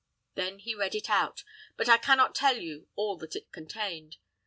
Then he read it out; but I can not tell you all that it contained.